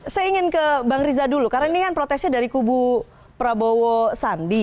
saya ingin ke bang riza dulu karena ini kan protesnya dari kubu prabowo sandi